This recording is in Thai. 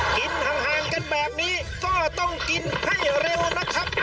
กินห่างกันแบบนี้ก็ต้องกินให้เร็วนะครับ